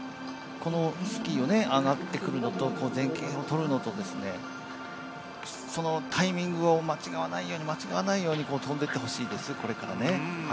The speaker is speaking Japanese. スキーを上がってくるのと前傾をとるのとタイミングを間違わないように間違わないように飛んでいってほしいです、これからね。